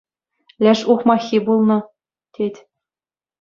Леш ухмаххи пулнӑ, тет.